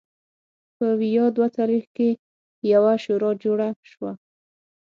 په ویا دوه څلوېښت کې یوه شورا جوړه شوه.